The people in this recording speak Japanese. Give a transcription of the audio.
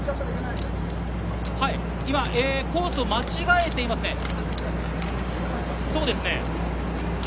今、コースを間違えていますね。